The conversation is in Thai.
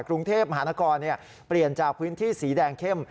กรุงเทพมหานครเปลี่ยนจากพื้นที่สีแดงเข้ม